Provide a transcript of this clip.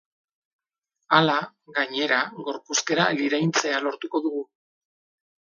Hala, gainera, gorpuzkera liraintzea lortuko dugu.